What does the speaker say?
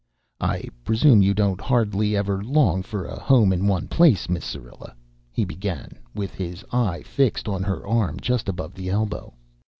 "I presume you don't hardly ever long for a home in one place, Miss Syrilla," he began, with his eye fixed on her arm just above the elbow.